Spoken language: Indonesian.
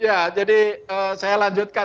ya jadi saya lanjutkan